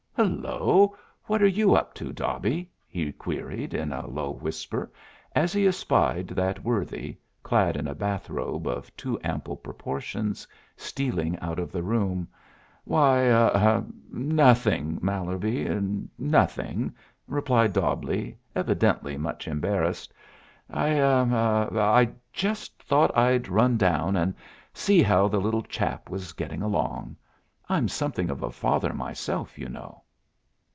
"Hullo, what are you up to, Dobby?" he queried, in a low whisper, as he espied that worthy, clad in a bath robe of too ample proportions, stealing out of the room. "Why nothing, Mallerby, nothing," replied Dobbleigh, evidently much embarrassed. "I er I just thought I'd run down, and see how the little chap was getting along. I'm something of a father myself, you know."